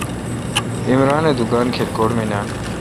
عمران اے° دکان کلکوٹ مے نان۔